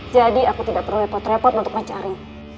jadi aku tidak perlu repot repot untuk mencari